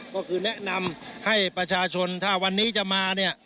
ก็คือแนะนำให้ประชาชนถ้าวันนี้จะมาเนี่ย